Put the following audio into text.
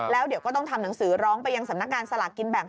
แล้วเดี๋ยวก็ต้องทำหนังสือร้องไปยังสำนักงานสลากกินแบ่ง